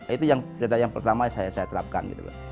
itu yang cerita yang pertama saya terapkan